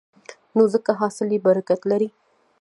نو ځکه حاصل یې برکت لري.